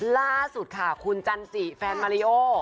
ล่าสุดค่ะคุณจันจิแฟนมาริโอ